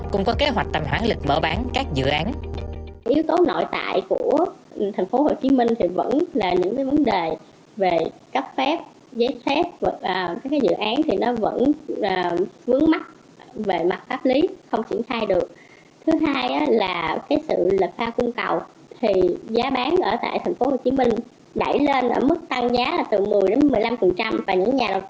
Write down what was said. cũng có kế hoạch tầm hoãn lịch mở bán các dự án